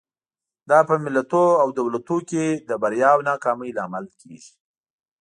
دا په ملتونو او دولتونو کې د بریا او ناکامۍ لامل کېږي.